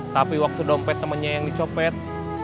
tapi waktu dompet temennya yang dicopet